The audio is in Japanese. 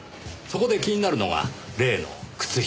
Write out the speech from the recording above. そこで気になるのが例の靴下です。